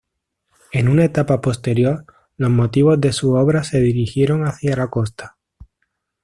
En una etapa posterior, los motivos de sus obras se dirigieron hacia la costa.